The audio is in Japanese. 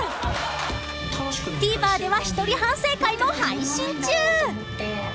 ［ＴＶｅｒでは一人反省会も配信中］